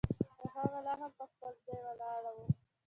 خو هغه لا هم پر خپل ځای ولاړه وه.